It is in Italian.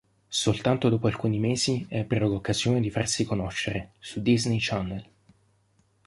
Soltanto dopo alcuni mesi ebbero l'occasione di farsi conoscere, su Disney Channel.